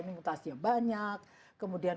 ini mutasnya banyak kemudian